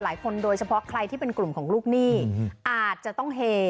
โดยเฉพาะใครที่เป็นกลุ่มของลูกหนี้อาจจะต้องเฮ